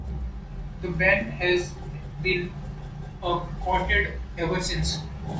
The band has been a quartet ever since.